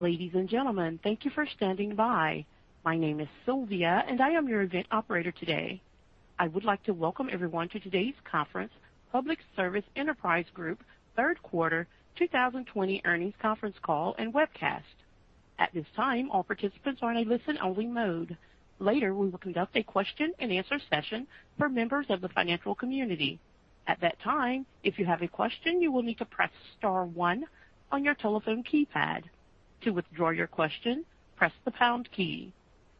Ladies and gentlemen, thank you for standing by. My name is Sylvia, and I am your event operator today. I would like to welcome everyone to today's conference, Public Service Enterprise Group Third Quarter 2020 Earnings Conference Call and Webcast. At this time, all participants are in a listen-only mode. Later, we will conduct a question and answer session for members of the financial community. At that time, if you have a question, you will need to press star one on your telephone keypad. To withdraw your question, press the pound key.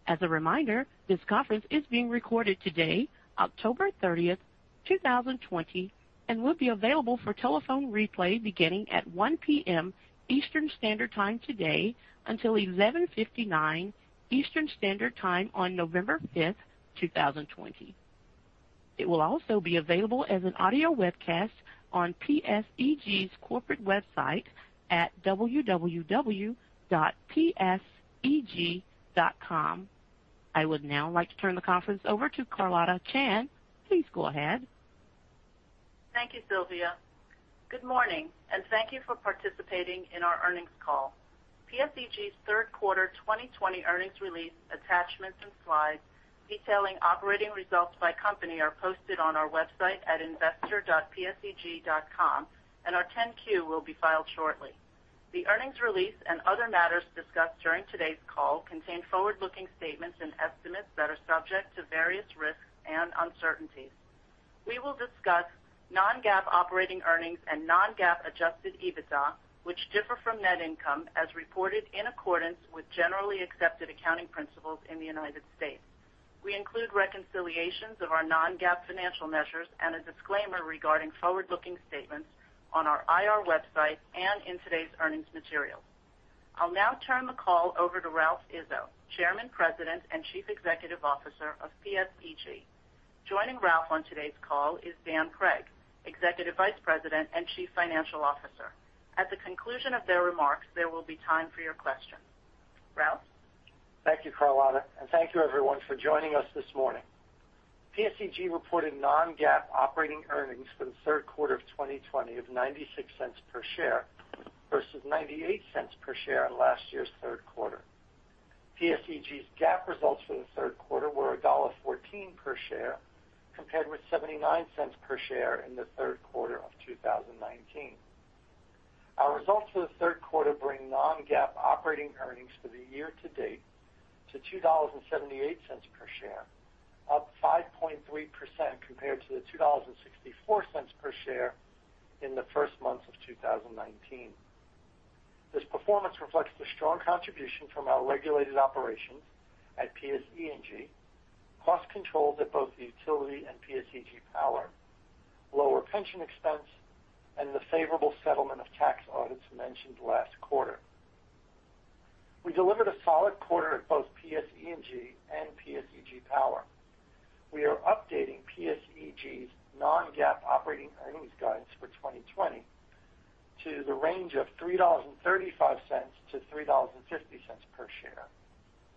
As a reminder, this conference is being recorded today, October 30th, 2020, and will be available for telephone replay beginning at 1:00 P.M. Eastern Standard Time today until 11:59 P.M. Eastern Standard Time on November 5th, 2020. It will also be available as an audio webcast on PSEG's corporate website at www.pseg.com. I would now like to turn the conference over to Carlotta Chan. Please go ahead. Thank you, Sylvia. Good morning, and thank you for participating in our earnings call. PSEG's third quarter 2020 earnings release attachments and slides detailing operating results by company are posted on our website at investor.pseg.com, and our 10-Q will be filed shortly. The earnings release and other matters discussed during today's call contain forward-looking statements and estimates that are subject to various risks and uncertainties. We will discuss non-GAAP operating earnings and non-GAAP Adjusted EBITDA, which differ from net income as reported in accordance with generally accepted accounting principles in the United States. We include reconciliations of our non-GAAP financial measures and a disclaimer regarding forward-looking statements on our IR website and in today's earnings material. I'll now turn the call over to Ralph Izzo, Chairman, President, and Chief Executive Officer of PSEG. Joining Ralph on today's call is Dan Cregg, Executive Vice President and Chief Financial Officer. At the conclusion of their remarks, there will be time for your questions. Ralph? Thank you, Carlotta, and thank you, everyone, for joining us this morning. PSEG reported non-GAAP operating earnings for the third quarter of 2020 of $0.96 per share versus $0.98 per share in last year's third quarter. PSEG's GAAP results for the third quarter were $1.14 per share, compared with $0.79 per share in the third quarter of 2019. Our results for the third quarter bring non-GAAP operating earnings for the year-to-date to $2.78 per share, up 5.3% compared to the $2.64 per share in the first months of 2019. This performance reflects the strong contribution from our regulated operations at PSE&G, cost controls at both the utility and PSEG Power, lower pension expense, and the favorable settlement of tax audits mentioned last quarter. We delivered a solid quarter at both PSE&G and PSEG Power. We are updating PSEG's non-GAAP operating earnings guidance for 2020 to the range of $3.35-$3.50 per share,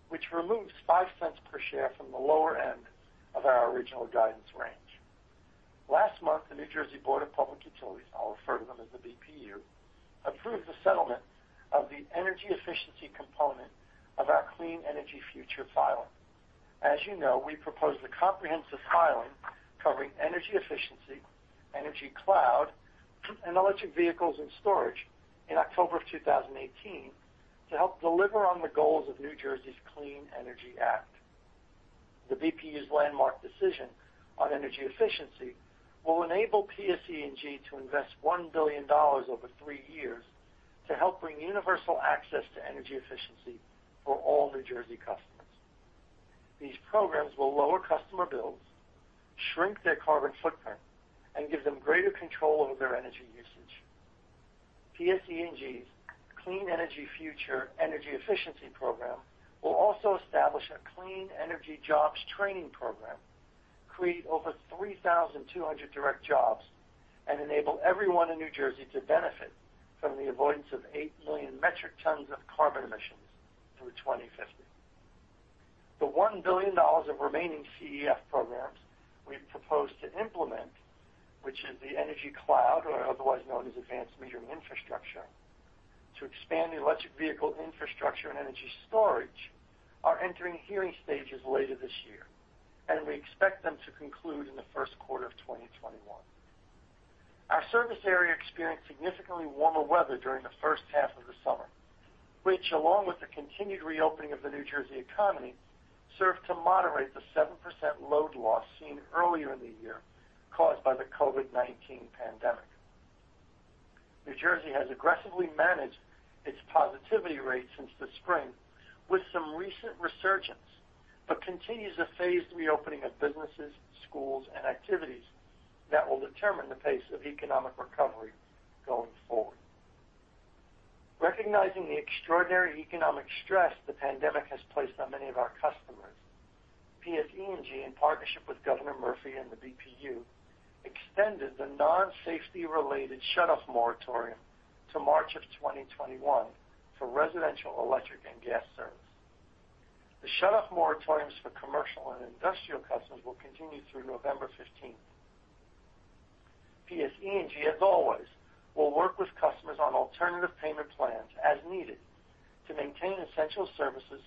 which removes $0.05 per share from the lower end of our original guidance range. Last month, the New Jersey Board of Public Utilities, I'll refer to them as the BPU, approved the settlement of the energy efficiency component of our Clean Energy Future filing. As you know, we proposed a comprehensive filing covering energy efficiency, Energy Cloud, and electric vehicles and storage in October of 2018 to help deliver on the goals of New Jersey's Clean Energy Act. The BPU's landmark decision on energy efficiency will enable PSE&G to invest $1 billion over three years to help bring universal access to energy efficiency for all New Jersey customers. These programs will lower customer bills, shrink their carbon footprint, and give them greater control over their energy usage. PSE&G's Clean Energy Future energy efficiency program will also establish a clean energy jobs training program, create over 3,200 direct jobs, and enable everyone in New Jersey to benefit from the avoidance of 8 million metric tons of carbon emissions through 2050. The $1 billion of remaining CEF programs we've proposed to implement, which is the Energy Cloud or otherwise known as advanced metering infrastructure, to expand the electric vehicle infrastructure and energy storage, are entering hearing stages later this year. We expect them to conclude in the first quarter of 2021. Our service area experienced significantly warmer weather during the first half of the summer, which along with the continued reopening of the New Jersey economy, served to moderate the 7% load loss seen earlier in the year caused by the COVID-19 pandemic. New Jersey has aggressively managed its positivity rate since the spring with some recent resurgence, but continues a phased reopening of businesses, schools, and activities that will determine the pace of economic recovery going forward. Recognizing the extraordinary economic stress the pandemic has placed on many of our customers, PSE&G, in partnership with Governor Murphy and the BPU, extended the non-safety-related shutoff moratorium to March of 2021 for residential electric and gas service. The shutoff moratoriums for commercial and industrial customers will continue through November 15th. PSEG, as always, will work with customers on alternative payment plans as needed to maintain essential services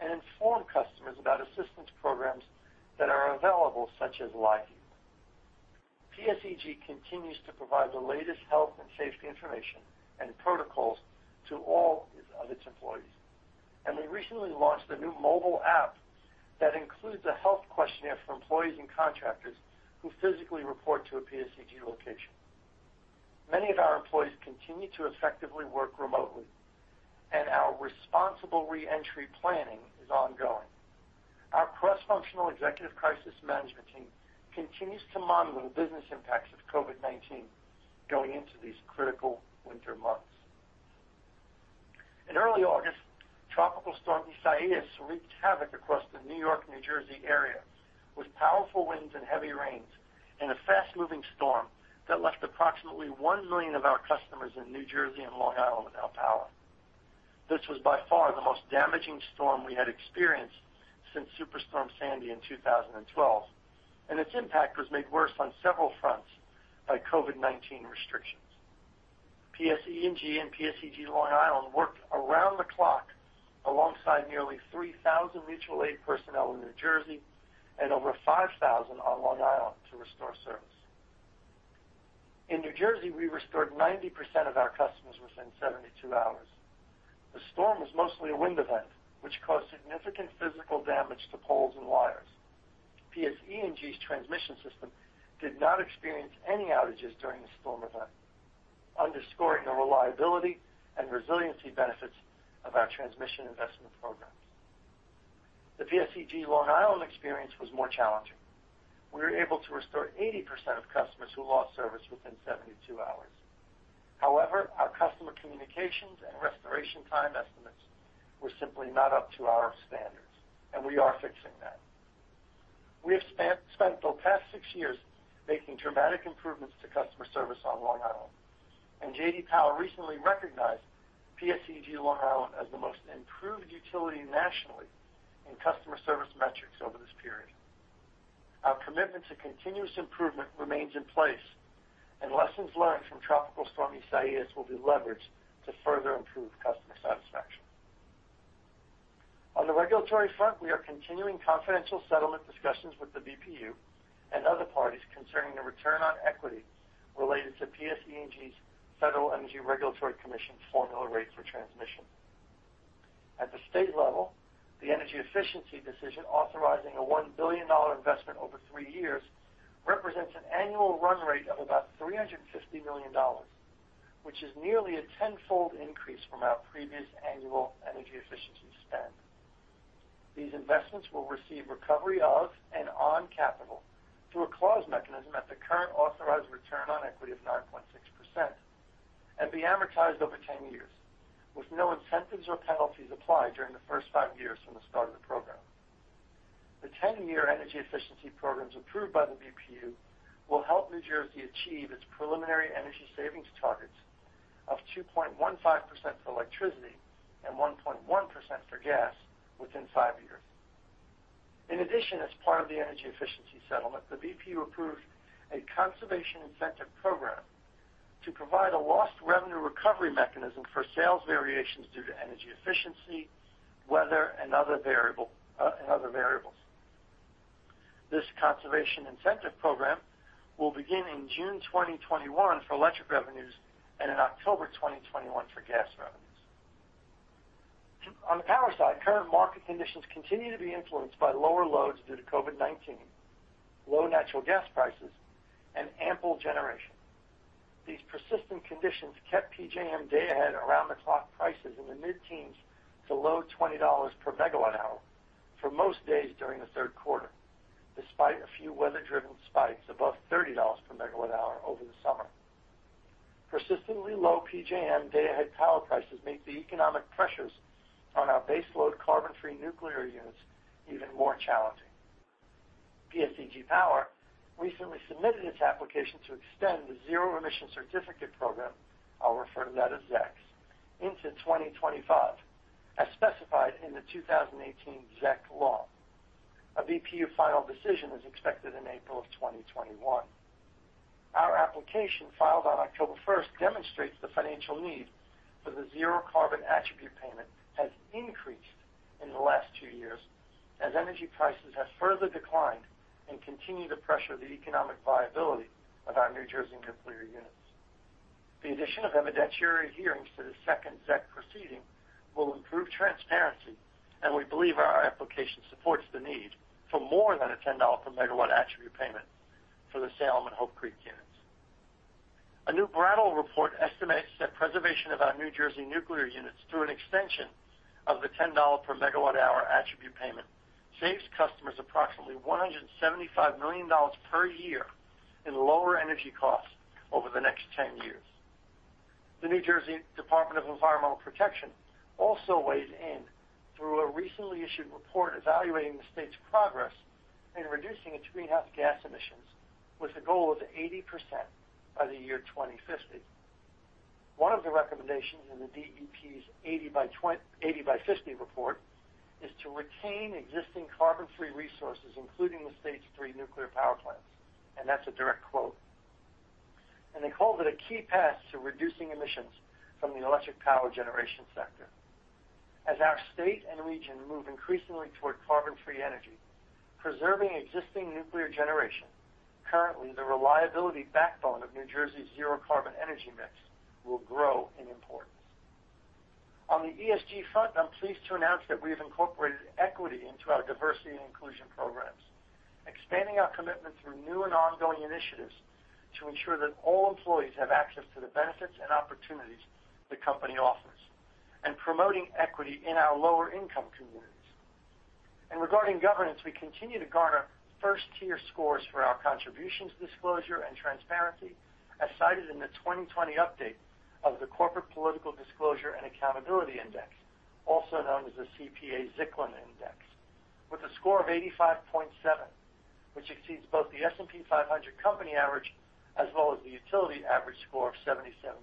and inform customers about assistance programs that are available, such as LIHEAP. PSEG continues to provide the latest health and safety information and protocols to all of its employees. They recently launched a new mobile app that includes a health questionnaire for employees and contractors who physically report to a PSEG location. Many of our employees continue to effectively work remotely. Our responsible re-entry planning is ongoing. Our cross-functional executive crisis management team continues to monitor the business impacts of COVID-19 going into these critical winter months. In early August, Tropical Storm Isaias wreaked havoc across the New York-New Jersey area with powerful winds and heavy rains in a fast-moving storm that left approximately 1 million of our customers in New Jersey and Long Island without power. This was by far the most damaging storm we had experienced since Superstorm Sandy in 2012. Its impact was made worse on several fronts by COVID-19 restrictions. PSEG and PSEG Long Island worked around the clock alongside nearly 3,000 mutual aid personnel in New Jersey and over 5,000 on Long Island to restore service. In New Jersey, we restored 90% of our customers within 72 hours. The storm was mostly a wind event, which caused significant physical damage to poles and wires. PSEG's transmission system did not experience any outages during the storm event, underscoring the reliability and resiliency benefits of our transmission investment programs. The PSEG Long Island experience was more challenging. We were able to restore 80% of customers who lost service within 72 hours. However, our customer communications and restoration time estimates were simply not up to our standards, and we are fixing that. We have spent the past six years making dramatic improvements to customer service on Long Island, and J.D. Power recently recognized PSEG Long Island as the most improved utility nationally in customer service metrics over this period. Our commitment to continuous improvement remains in place. Lessons learned from Tropical Storm Isaias will be leveraged to further improve customer satisfaction. On the regulatory front, we are continuing confidential settlement discussions with the BPU and other parties concerning the return on equity related to PSEG's Federal Energy Regulatory Commission formula rates for transmission. At the state level, the energy efficiency decision authorizing a $1 billion investment over 3 years represents an annual run rate of about $350 million, which is nearly a tenfold increase from our previous annual energy efficiency spend. These investments will receive recovery of and on capital through a clause mechanism at the current authorized return on equity of 9.6% and be amortized over 10 years with no incentives or penalties applied during the first five years from the start of the program. The 10-year energy efficiency programs approved by the BPU will help New Jersey achieve its preliminary energy savings targets of 2.15% for electricity and 1.1% for gas within five years. In addition, as part of the energy efficiency settlement, the BPU approved a conservation incentive program to provide a lost revenue recovery mechanism for sales variations due to energy efficiency, weather, and other variables. This conservation incentive program will begin in June 2021 for electric revenues and in October 2021 for gas revenues. On the power side, current market conditions continue to be influenced by lower loads due to COVID-19, low natural gas prices, and ample generation. These persistent conditions kept PJM day-ahead around-the-clock prices in the mid-teens to low $20 per MW hour for most days during the third quarter, despite a few weather-driven spikes above $30 per MW hour over the summer. Persistently low PJM day-ahead power prices make the economic pressures on our base load carbon-free nuclear units even more challenging. PSEG Power recently submitted its application to extend the Zero Emission Certificate program, I'll refer to that as ZEC, into 2025, as specified in the 2018 ZEC law. A BPU final decision is expected in April of 2021. Our application, filed on October 1st, demonstrates the financial need for the zero carbon attribute payment has increased in the last two years as energy prices have further declined and continue to pressure the economic viability of our New Jersey nuclear units. The addition of evidentiary hearings to the second ZEC proceeding will improve transparency, and we believe our application supports the need for more than a $10 per megawatt attribute payment for the Salem and Hope Creek units. A new Brattle report estimates that preservation of our New Jersey nuclear units through an extension of the $10 per MWh attribute payment saves customers approximately $175 million per year in lower energy costs over the next 10 years. The New Jersey Department of Environmental Protection also weighed in through a recently issued report evaluating the state's progress in reducing its greenhouse gas emissions, with a goal of 80% by the year 2050. One of the recommendations in the DEP's 80x50 report is to retain existing carbon-free resources, including the state's 3 nuclear power plants. That's a direct quote. They called it a key path to reducing emissions from the electric power generation sector. As our state and region move increasingly toward carbon-free energy, preserving existing nuclear generation, currently the reliability backbone of New Jersey's zero carbon energy mix, will grow in importance. On the ESG front, I'm pleased to announce that we have incorporated equity into our diversity and inclusion programs, expanding our commitment through new and ongoing initiatives to ensure that all employees have access to the benefits and opportunities the company offers, and promoting equity in our lower-income communities. Regarding governance, we continue to garner first-tier scores for our contributions disclosure and transparency, as cited in the 2020 update of the Corporate Political Disclosure and Accountability Index, also known as the CPA-Zicklin Index, with a score of 85.7, which exceeds both the S&P 500 company average as well as the utility average score of 77.2.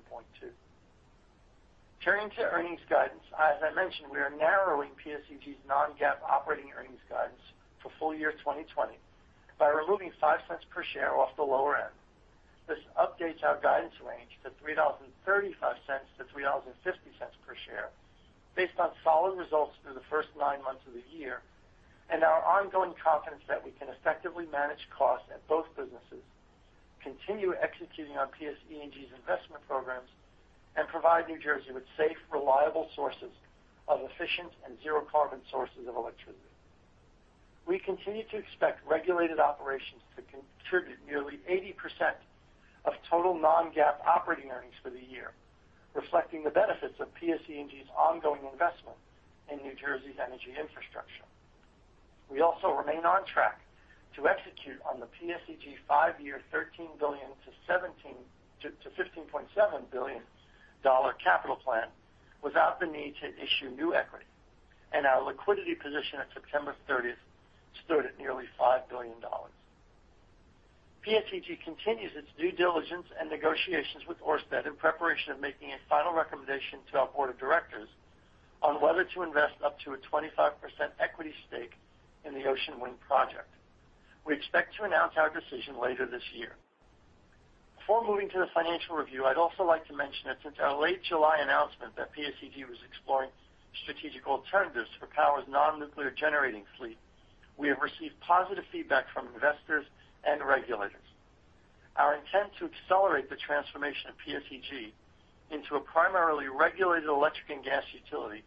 Turning to earnings guidance, as I mentioned, we are narrowing PSEG's non-GAAP operating earnings guidance for full-year 2020 by removing $0.05 per share off the lower end. This updates our guidance range to $3.35-$3.50 per share based on solid results through the first nine months of the year and our ongoing confidence that we can effectively manage costs at both businesses, continue executing on PSE&G's investment programs, and provide New Jersey with safe, reliable sources of efficient and zero carbon sources of electricity. We continue to expect regulated operations to contribute nearly 80% of total non-GAAP operating earnings for the year, reflecting the benefits of PSE&G's ongoing investment in New Jersey's energy infrastructure. We also remain on track to execute on the PSEG five-year $13 billion-$15.7 billion capital plan without the need to issue new equity, and our liquidity position at September 30th stood at nearly $5 billion. PSEG continues its due diligence and negotiations with Ørsted in preparation of making a final recommendation to our board of directors on whether to invest up to a 25% equity stake in the Ocean Wind project. We expect to announce our decision later this year. Before moving to the financial review, I'd also like to mention that since our late July announcement that PSEG was exploring strategic alternatives for Power's non-nuclear generating fleet, we have received positive feedback from investors and regulators. Our intent to accelerate the transformation of PSEG into a primarily regulated electric and gas utility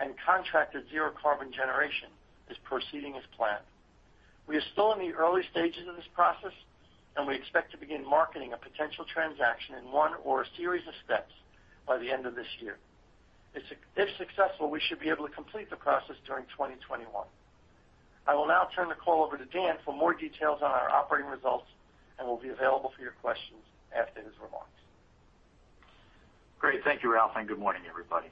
and contracted zero-carbon generation is proceeding as planned. We are still in the early stages of this process, and we expect to begin marketing a potential transaction in one or a series of steps by the end of this year. If successful, we should be able to complete the process during 2021. I will now turn the call over to Dan for more details on our operating results and will be available for your questions after his remarks. Great. Thank you, Ralph, and good morning, everybody.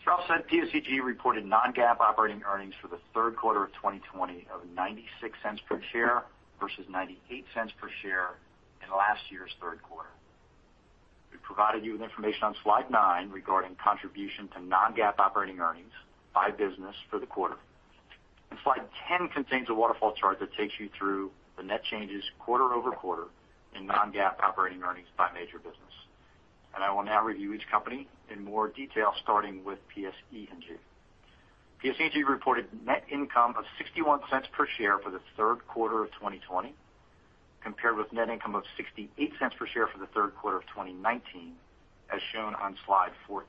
As Ralph said, PSEG reported non-GAAP operating earnings for the third quarter of 2020 of $0.96 per share versus $0.98 per share in last year's third quarter. We've provided you with information on slide nine regarding contribution to non-GAAP operating earnings by business for the quarter. Slide 10 contains a waterfall chart that takes you through the net changes quarter-over-quarter in non-GAAP operating earnings by major business. I will now review each company in more detail, starting with PSE&G. PSE&G reported net income of $0.61 per share for the third quarter of 2020, compared with net income of $0.68 per share for the third quarter of 2019, as shown on slide 14.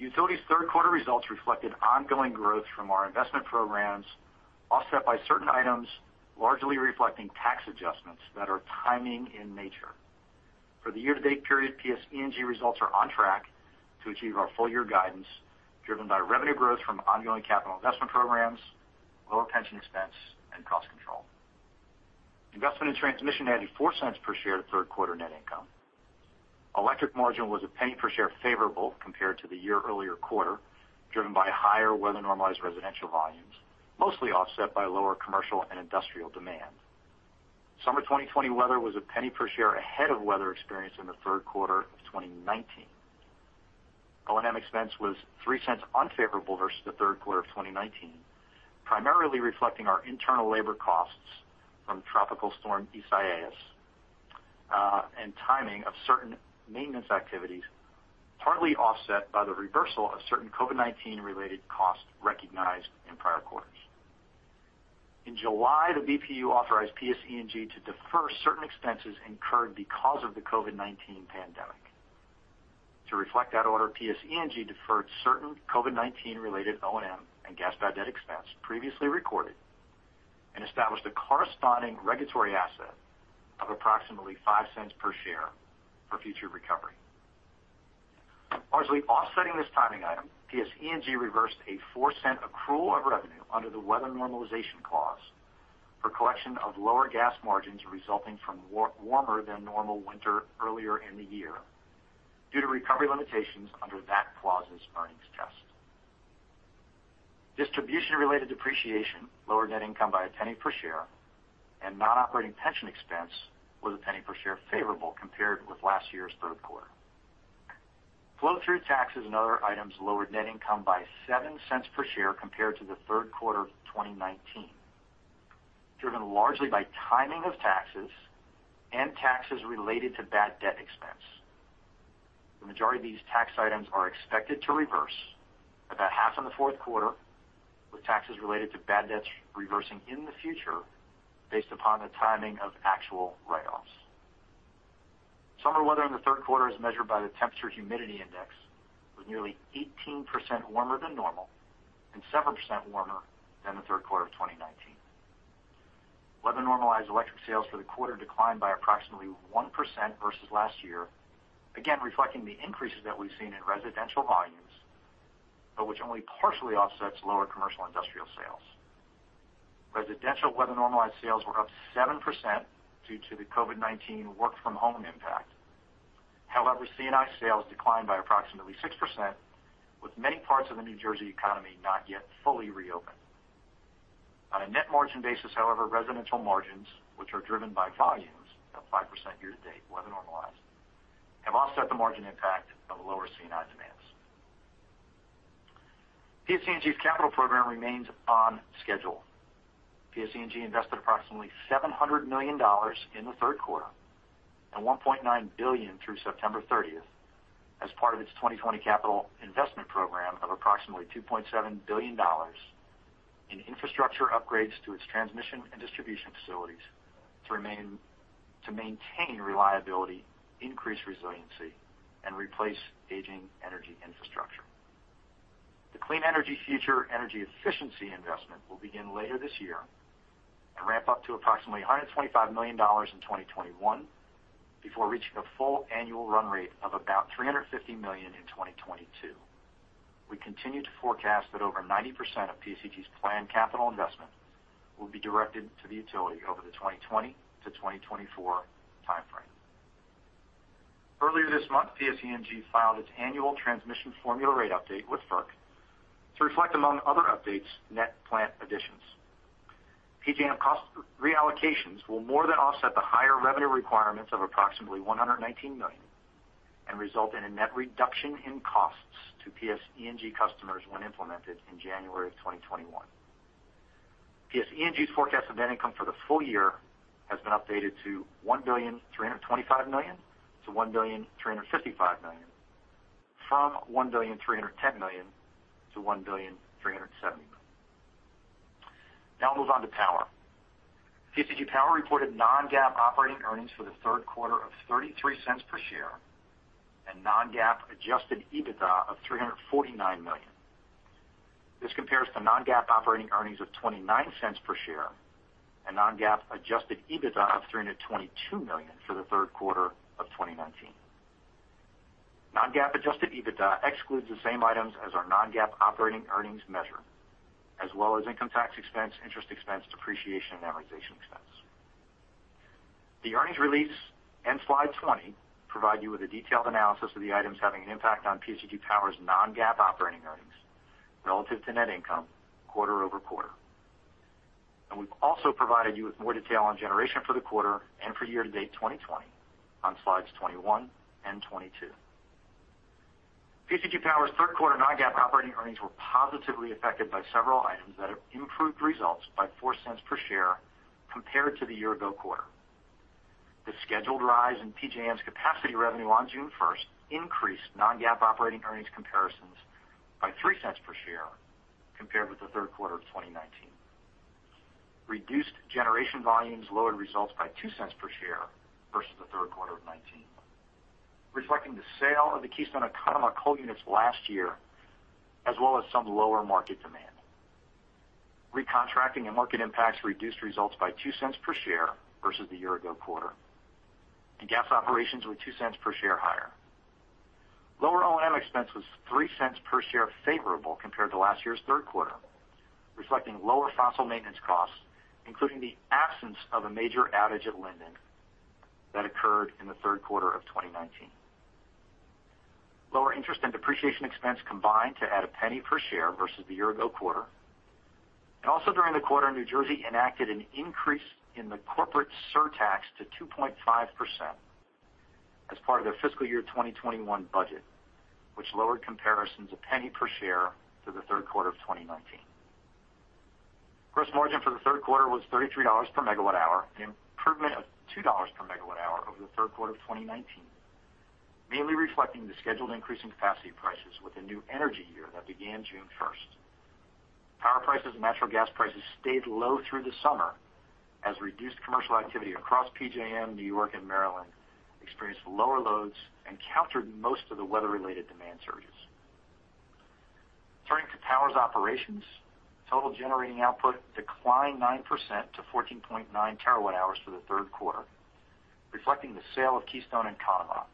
The utility's third-quarter results reflected ongoing growth from our investment programs, offset by certain items, largely reflecting tax adjustments that are timing in nature. For the year-to-date period, PSE&G results are on track to achieve our full-year guidance, driven by revenue growth from ongoing capital investment programs, lower pension expense, and cost control. Investment in transmission added $0.04 per share to third-quarter net income. Electric margin was $0.01 per share favorable compared to the year-earlier quarter, driven by higher weather-normalized residential volumes, mostly offset by lower commercial and industrial demand. Summer 2020 weather was $0.01 per share ahead of weather experienced in the third quarter of 2019. O&M expense was $0.03 unfavorable versus the third quarter of 2019, primarily reflecting our internal labor costs from Tropical Storm Isaias, and timing of certain maintenance activities, partly offset by the reversal of certain COVID-19-related costs recognized in prior quarters. In July, the BPU authorized PSE&G to defer certain expenses incurred because of the COVID-19 pandemic. To reflect that order, PSE&G deferred certain COVID-19-related O&M and gas bad debt expense previously recorded and established a corresponding regulatory asset of approximately $0.05 per share for future recovery. Partially offsetting this timing item, PSE&G reversed a $0.04 accrual of revenue under the weather normalization clause for collection of lower gas margins resulting from warmer than normal winter earlier in the year due to recovery limitations under that clause's earnings test. Distribution-related depreciation lowered net income by $0.01 per share, and non-operating pension expense was $0.01 per share favorable compared with last year's third quarter. Flow-through taxes and other items lowered net income by $0.07 per share compared to the third quarter of 2019, driven largely by timing of taxes and taxes related to bad debt expense. The majority of these tax items are expected to reverse about half in the fourth quarter, with taxes related to bad debts reversing in the future based upon the timing of actual write-offs. Summer weather in the third quarter, as measured by the temperature-humidity index, was nearly 18% warmer than normal and 7% warmer than the third quarter of 2019. Weather-normalized electric sales for the quarter declined by approximately 1% versus last year, again reflecting the increases that we've seen in residential volumes, but which only partially offsets lower commercial industrial sales. Residential weather-normalized sales were up 7% due to the COVID-19 work-from-home impact. However, C&I sales declined by approximately 6%, with many parts of the New Jersey economy not yet fully reopened. On a net margin basis, however, residential margins, which are driven by volumes of 5% year-to-date weather normalized, have offset the margin impact of lower C&I demands. PSEG's capital program remains on schedule. PSEG invested approximately $700 million in the third quarter and $1.9 billion through September 30th as part of its 2020 capital investment program of approximately $2.7 billion in infrastructure upgrades to its transmission and distribution facilities to maintain reliability, increase resiliency, and replace aging energy infrastructure. The Clean Energy Future energy efficiency investment will begin later this year and ramp up to approximately $125 million in 2021 before reaching a full annual run rate of about $350 million in 2022. We continue to forecast that over 90% of PSEG's planned capital investment will be directed to the utility over the 2020-2024 timeframe. Earlier this month, PSEG filed its annual transmission formula rate update with FERC to reflect, among other updates, net plant additions. PJM cost reallocations will more than offset the higher revenue requirements of approximately $119 million and result in a net reduction in costs to PSEG customers when implemented in January of 2021. PSEG's forecast of net income for the full year has been updated to $1.325 billion-$1.355 billion from $1.310 billion-$1.370 billion. Now we'll move on to PSEG Power. PSEG Power reported non-GAAP operating earnings for the third quarter of $0.33 per share and non-GAAP Adjusted EBITDA of $349 million. This compares to non-GAAP operating earnings of $0.29 per share and non-GAAP Adjusted EBITDA of $322 million for the third quarter of 2019. Non-GAAP Adjusted EBITDA excludes the same items as our non-GAAP operating earnings measure, as well as income tax expense, interest expense, depreciation, and amortization expense. The earnings release and Slide 20 provide you with a detailed analysis of the items having an impact on PSEG Power's non-GAAP operating earnings relative to net income quarter-over-quarter. We've also provided you with more detail on generation for the quarter and for year-to-date 2020 on Slides 21 and 22. PSEG Power's third quarter non-GAAP operating earnings were positively affected by several items that have improved results by $0.04 per share compared to the year-ago quarter. The scheduled rise in PJM's capacity revenue on June 1st increased non-GAAP operating earnings comparisons by $0.03 per share compared with the third quarter of 2019. Reduced generation volumes lowered results by $0.02 per share versus the third quarter of 2019, reflecting the sale of the Keystone and Conemaugh coal units last year, as well as some lower market demand. Recontracting and market impacts reduced results by $0.02 per share versus the year-ago quarter. Gas operations were $0.02 per share higher. Lower O&M expense was $0.03 per share favorable compared to last year's third quarter, reflecting lower fossil maintenance costs, including the absence of a major outage at Linden that occurred in the third quarter of 2019. Lower interest and depreciation expense combined to add $0.01 per share versus the year-ago quarter. Also during the quarter, New Jersey enacted an increase in the corporate surtax to 2.5% as part of their fiscal year 2021 budget, which lowered comparisons $0.01 per share to the third quarter of 2019. Gross margin for the third quarter was $33 per MWh, an improvement of $2 per MWh over the third quarter of 2019, mainly reflecting the scheduled increase in capacity prices with the new energy year that began June 1st. Power prices and natural gas prices stayed low through the summer as reduced commercial activity across PJM, New York, and Maryland experienced lower loads and countered most of the weather-related demand surges. Turning to power's operations, total generating output declined 9% to 14.9 terawatt-hours for the third quarter, reflecting the sale of Keystone and Conemaugh.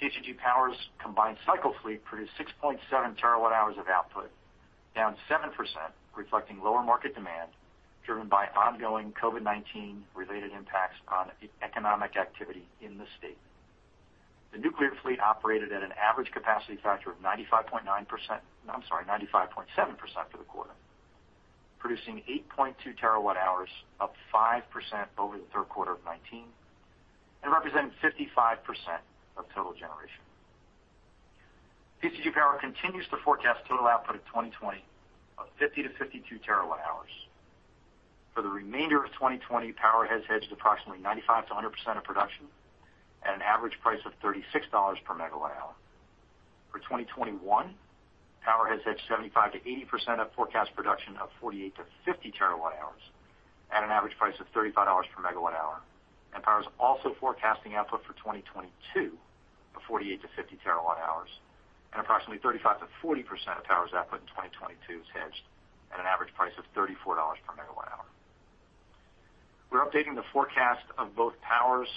PSEG Power's combined cycle fleet produced 6.7 terawatt-hours of output, down 7%, reflecting lower market demand driven by ongoing COVID-19-related impacts on economic activity in the state. The nuclear fleet operated at an average capacity factor of 95.7% for the quarter, producing 8.2 TWh, up 5% over the third quarter of 2019, and representing 55% of total generation. PSEG Power continues to forecast total output of 2020 of 50 to 52 TWh. For the remainder of 2020, Power has hedged approximately 95%-100% of production at an average price of $36 per MWh. For 2021, Power has hedged 75%-80% of forecast production of 48 to 50 TWh at an average price of $35 per MWh. PSEG Power is also forecasting output for 2022 of 48-50 TWh, and approximately 35%-40% of PSEG Power's output in 2022 is hedged at an average price of $34 per MWh. We're updating the forecast of both PSEG Power's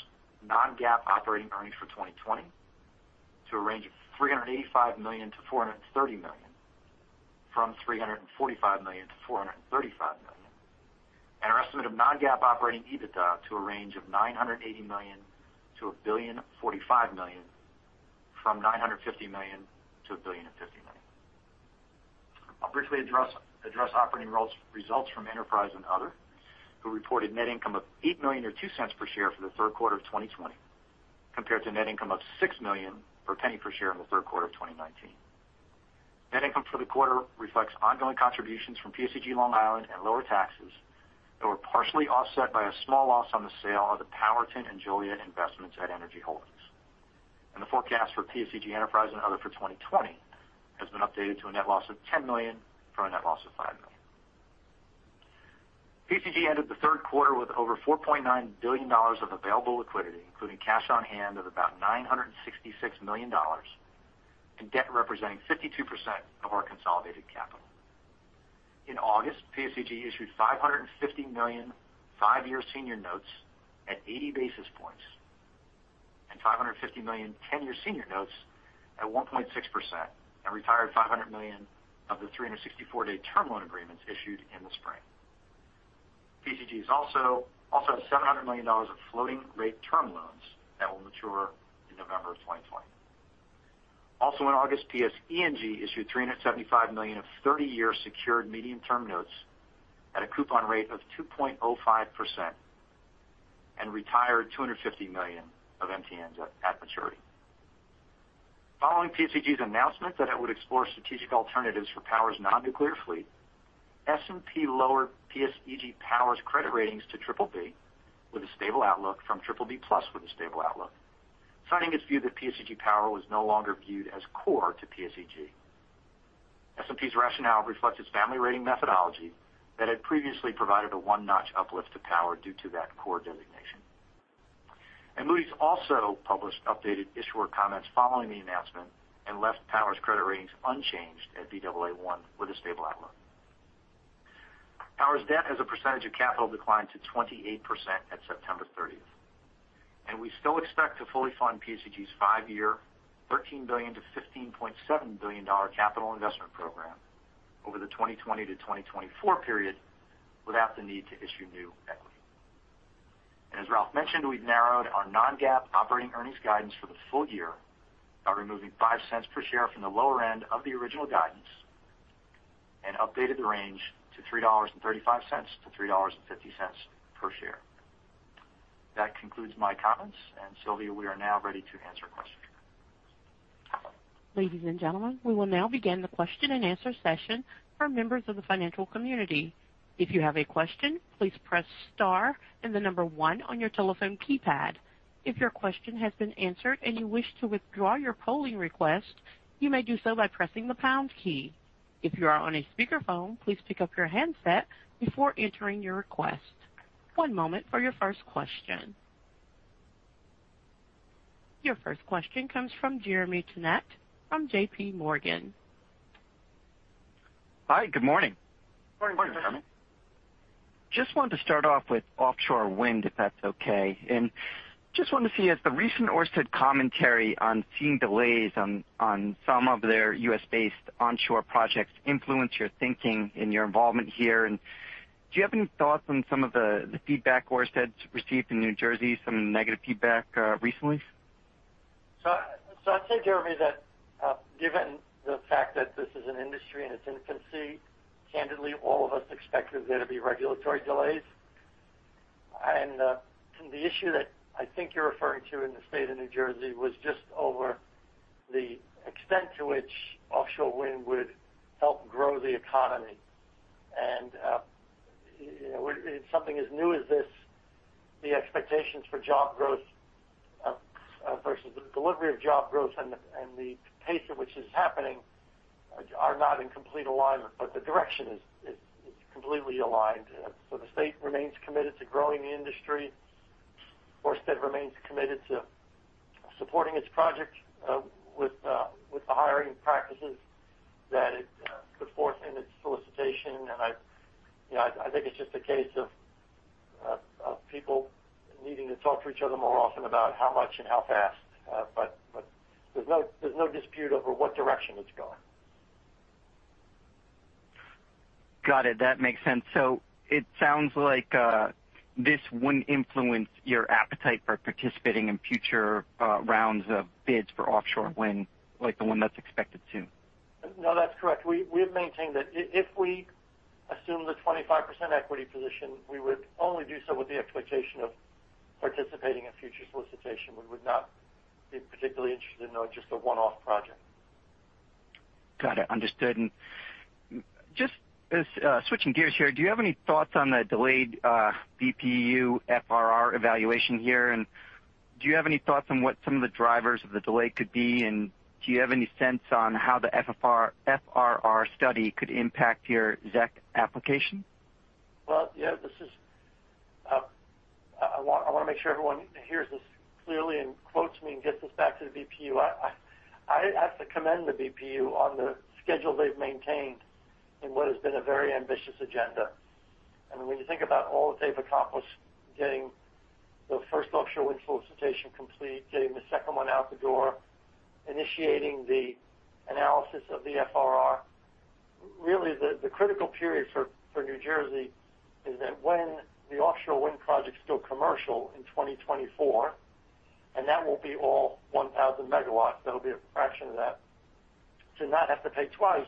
non-GAAP operating earnings for 2020 to a range of $385 million-$430 million, from $345 million-$435 million. Our estimate of non-GAAP operating EBITDA to a range of $980 million-$1.045 billion, from $950 million-$1.050 billion. I'll briefly address operating results from Enterprise and Other, who reported net income of $8 million, or $0.02 per share for the third quarter of 2020, compared to net income of $6 million or $0.10 per share in the third quarter of 2019. Net income for the quarter reflects ongoing contributions from PSEG Long Island and lower taxes that were partially offset by a small loss on the sale of the Powerton and Joliet investments at Energy Holdings. The forecast for PSEG Enterprise and Other for 2020 has been updated to a net loss of $10 million from a net loss of $5 million. PSEG ended the third quarter with over $4.9 billion of available liquidity, including cash on hand of about $966 million, and debt representing 52% of our consolidated capital. In August, PSEG issued $550 million five-year senior notes at 80 basis points, and $550 million 10-year senior notes at 1.6%, and retired $500 million of the 364-day term loan agreements issued in the spring. PSEG also has $700 million of floating rate term loans that will mature in November of 2020. Also in August, PSE&G issued $375 million of 30-year secured medium-term notes at a coupon rate of 2.05% and retired $250 million of MTNs at maturity. Following PSEG's announcement that it would explore strategic alternatives for Power's non-nuclear fleet, S&P lowered PSEG Power's credit ratings to BBB with a stable outlook from BBB+ with a stable outlook, citing its view that PSEG Power was no longer viewed as core to PSEG. S&P's rationale reflects its family rating methodology that had previously provided a one-notch uplift to Power due to that core designation. Moody's also published updated issuer comments following the announcement and left Power's credit ratings unchanged at Baa1, with a stable outlook. Power's debt as a percentage of capital declined to 28% at September 30th, we still expect to fully fund PSEG's five-year $13 billion-$15.7 billion capital investment program over the 2020-2024 period without the need to issue new equity. As Ralph mentioned, we've narrowed our non-GAAP operating earnings guidance for the full year by removing $0.05 per share from the lower end of the original guidance and updated the range to $3.35-$3.50 per share. That concludes my comments. Sylvia, we are now ready to answer questions. Ladies and gentlemen, we will now begin the question-and-answer session for members of the financial community. If you have a question, please press star and the one on your telephone keypad. If your question has been answered and you wish to withdraw your polling request, you may do so by pressing the pound key. If you are on a speakerphone, please pick up your handset before entering your request. Your first question comes from Jeremy Tonet from JPMorgan. Hi, good morning. Morning, Jeremy. Just wanted to start off with offshore wind, if that's okay. Just wanted to see if the recent Ørsted commentary on seeing delays on some of their U.S.-based onshore projects influence your thinking and your involvement here, and do you have any thoughts on some of the feedback Ørsted's received in New Jersey, some negative feedback recently? I'd say, Jeremy, that given the fact that this is an industry in its infancy, candidly, all of us expected there to be regulatory delays. The issue that I think you're referring to in the state of New Jersey was just over the extent to which offshore wind would help grow the economy. With something as new as this, the expectations for job growth versus the delivery of job growth and the pace at which it's happening are not in complete alignment, but the direction is completely aligned. The state remains committed to growing the industry. Ørsted remains committed to supporting its project with the hiring practices that it put forth in its solicitation, and I think it's just a case of people needing to talk to each other more often about how much and how fast. There's no dispute over what direction it's going. Got it. That makes sense. It sounds like this wouldn't influence your appetite for participating in future rounds of bids for offshore wind, like the one that's expected soon. No, that's correct. We have maintained that if we assume the 25% equity position, we would only do so with the expectation of participating in future solicitation. We would not be particularly interested in just a one-off project. Got it. Understood. Just switching gears here, do you have any thoughts on the delayed BPU FRR evaluation here? Do you have any thoughts on what some of the drivers of the delay could be? Do you have any sense on how the FRR study could impact your ZEC application? Well, yeah. I want to make sure everyone hears this clearly and quotes me and gets this back to the BPU. I have to commend the BPU on the schedule they've maintained in what has been a very ambitious agenda. When you think about all that they've accomplished, getting the first offshore wind solicitation complete, getting the second one out the door, initiating the analysis of the FRR. Really the critical period for New Jersey is that when the offshore wind projects go commercial in 2024, and that won't be all 1,000 megawatts, that'll be a fraction of that, to not have to pay twice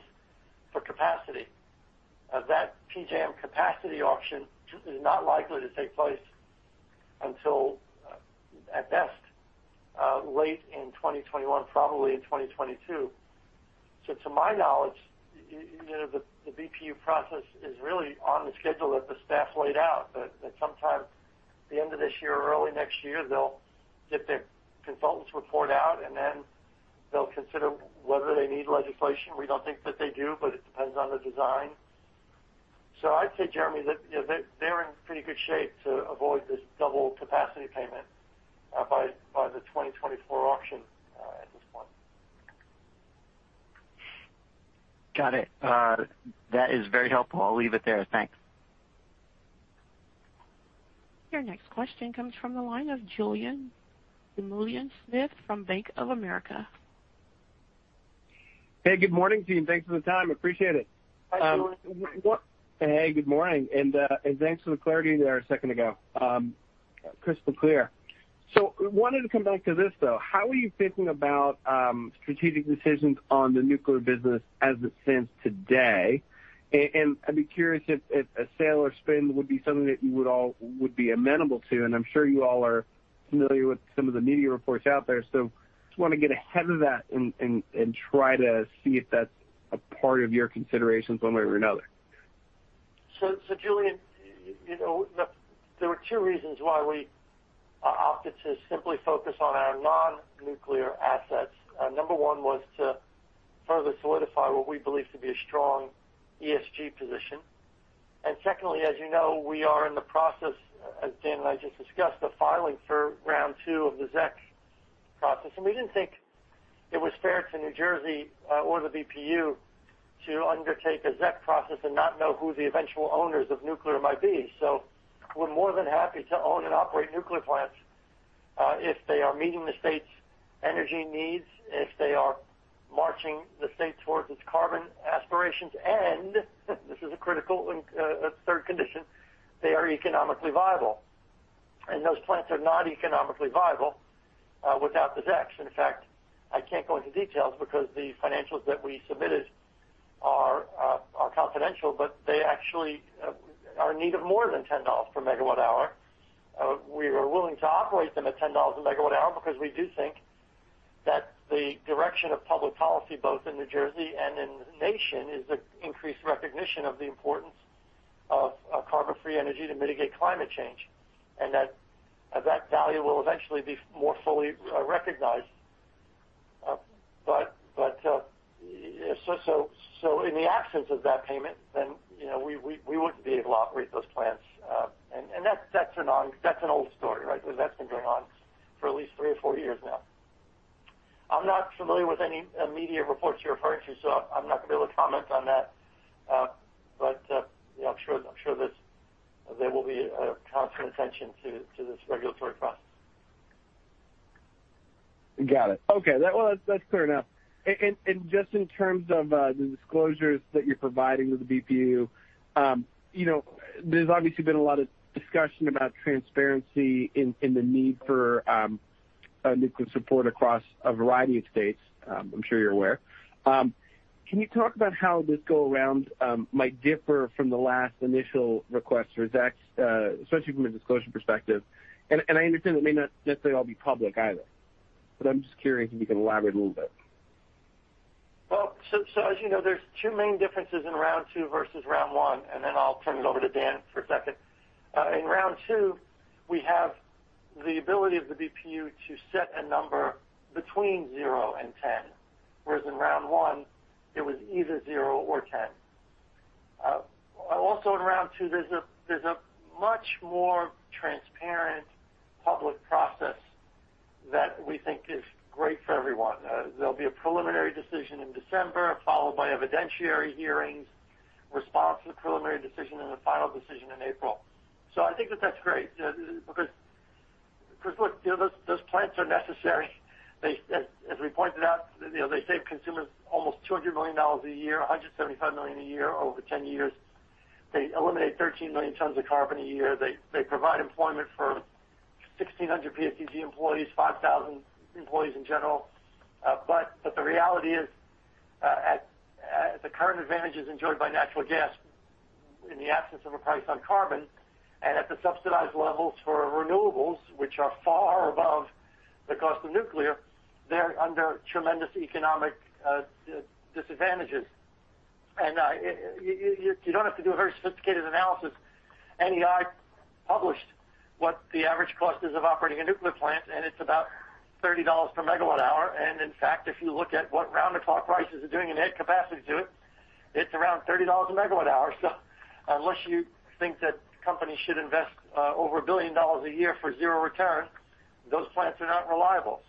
for capacity. That PJM capacity auction is not likely to take place until, at best, late in 2021, probably in 2022. To my knowledge, the BPU process is really on the schedule that the staff laid out, that sometime the end of this year or early next year, they'll get their consultants' report out, and then they'll consider whether they need legislation. We don't think that they do, but it depends on the design. I'd say, Jeremy, that they're in pretty good shape to avoid this double capacity payment by the 2024 auction at this point. Got it. That is very helpful. I'll leave it there. Thanks. Your next question comes from the line of Julien Dumoulin-Smith from Bank of America. Hey, good morning, team. Thanks for the time. Appreciate it. Hi, Julien. Hey, good morning, and thanks for the clarity there a second ago. Crystal clear. I wanted to come back to this, though. How are you thinking about strategic decisions on the nuclear business as it stands today? And I'd be curious if a sale or spin would be something that you would be amenable to, and I'm sure you all are familiar with some of the media reports out there. I just want to get ahead of that and try to see if that's a part of your considerations one way or another. Julien, there were two reasons why we opted to simply focus on our non-nuclear assets. Number one was to further solidify what we believe to be a strong ESG position. Secondly, as you know, we are in the process, as Dan and I just discussed, of filing for round two of the ZEC process. We didn't think it was fair to New Jersey or the BPU to undertake a ZEC process and not know who the eventual owners of nuclear might be. We're more than happy to own and operate nuclear plants if they are meeting the state's energy needs, if they are marching the state towards its carbon aspirations. This is a critical third condition, they are economically viable. Those plants are not economically viable without the ZECs. In fact, I can't go into details because the financials that we submitted are confidential, but they actually are in need of more than $10 per MWh. We were willing to operate them at $10 a MWh because we do think that the direction of public policy, both in New Jersey and in the nation, is the increased recognition of the importance of carbon-free energy to mitigate climate change, and that value will eventually be more fully recognized. In the absence of that payment, then we wouldn't be able to operate those plants. That's an old story, right? Because that's been going on for at least three or four years now. I'm not familiar with any media reports you're referring to, so I'm not going to be able to comment on that. I'm sure that there will be a constant attention to this regulatory process. Got it. Okay. Well, that's clear enough. Just in terms of the disclosures that you're providing to the BPU. There's obviously been a lot of discussion about transparency and the need for nuclear support across a variety of states. I'm sure you're aware. Can you talk about how this go around might differ from the last initial request for ZECs, especially from a disclosure perspective? I understand it may not necessarily all be public either. I'm just curious if you can elaborate a little bit. As you know, there's two main differences in round two versus round one, and then I'll turn it over to Dan for a second. In round two, there's a much more transparent public process that we think is great for everyone. There'll be a preliminary decision in December, followed by evidentiary hearings, response to the preliminary decision, and the final decision in April. I think that that's great because look, those plants are necessary. As we pointed out they save consumers almost $200 million a year, $175 million a year over 10 years. They eliminate 13 million tons of carbon a year. They provide employment for 1,600 PSEG employees, 5,000 employees in general. The reality is, at the current advantages enjoyed by natural gas in the absence of a price on carbon and at the subsidized levels for renewables, which are far above the cost of nuclear, they're under tremendous economic disadvantages. You don't have to do a very sophisticated analysis. NEI published what the average cost is of operating a nuclear plant, and it's about $30 per MWh. In fact, if you look at what round-the-clock prices are doing in net capacity to it's around $30 a MWh. Unless you think that companies should invest over $1 billion a year for zero return, those plants are not reliable.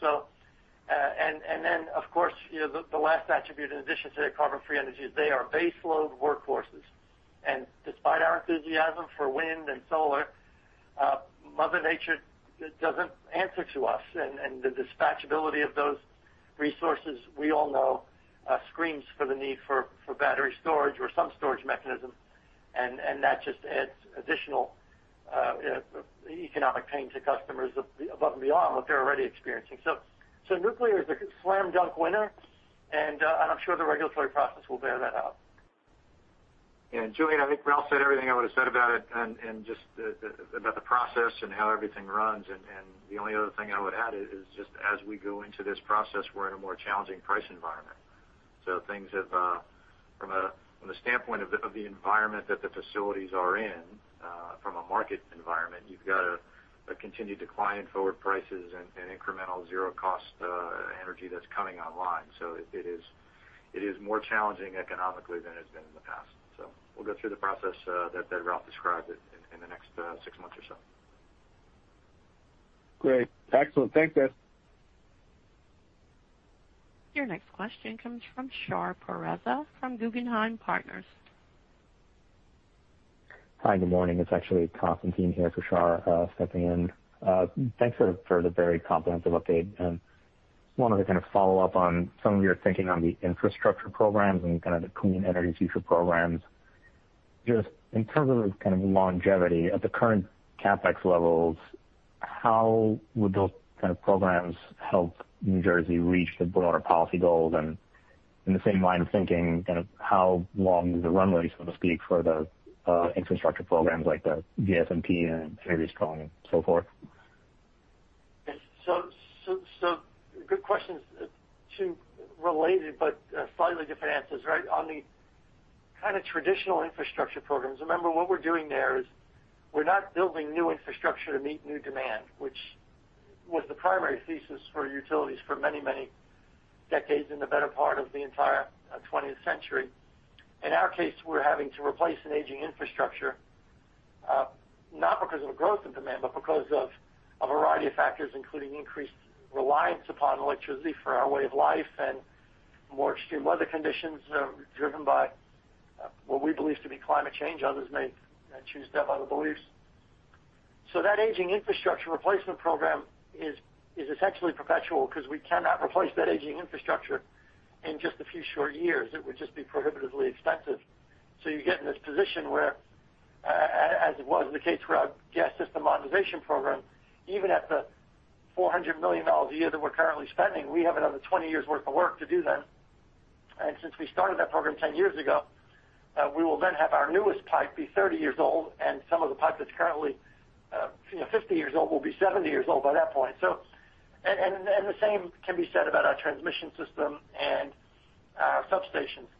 Of course the last attribute in addition to their carbon-free energy is they are base load workhorses. Despite our enthusiasm for wind and solar, mother nature doesn't answer to us. The dispatch ability of those resources we all know, screams for the need for battery storage or some storage mechanism. That just adds additional economic pain to customers above and beyond what they're already experiencing. Nuclear is a slam dunk winner, and I'm sure the regulatory process will bear that out. Julien, I think Ralph said everything I would've said about it and just about the process and how everything runs. The only other thing I would add is just as we go into this process, we're in a more challenging price environment. Things have from a standpoint of the environment that the facilities are in, from a market environment, you've got a continued decline in forward prices and incremental zero cost energy that's coming online. It is more challenging economically than it's been in the past. We'll go through the process that Ralph described in the next six months or so. Great. Excellent. Thanks guys. Your next question comes from Shar Pourreza from Guggenheim Partners. Hi. Good morning. It's actually Constantine here for Shar, stepping in. Thanks for the very comprehensive update. Just wanted to kind of follow up on some of your thinking on the infrastructure programs and kind of the Clean Energy Future programs. Just in terms of kind of longevity at the current CapEx levels, how would those kind of programs help New Jersey reach the broader policy goals? In the same line of thinking kind of how long is the runway, so to speak, for the infrastructure programs like the GSMP and Energy Strong and so forth? Good questions. Two related but slightly different answers, right? On the kind of traditional infrastructure programs, remember what we're doing there is we're not building new infrastructure to meet new demand, which was the primary thesis for utilities for many, many decades in the better part of the entire 20th century. In our case, we're having to replace an aging infrastructure, not because of a growth in demand, but because of a variety of factors, including increased reliance upon electricity for our way of life and more extreme weather conditions driven by what we believe to be climate change. Others may choose to have other beliefs. That aging infrastructure replacement program is essentially perpetual because we cannot replace that aging infrastructure in just a few short years. It would just be prohibitively expensive. You get in this position where as it was the case for our Gas System Modernization Program, even at the $400 million a year that we're currently spending, we have another 20 years worth of work to do then. Since we started that program 10 years ago, we will then have our newest pipe be 30 years old. Some of the pipe that's currently 50 years old will be 70 years old by that point. The same can be said about our transmission system and our substations.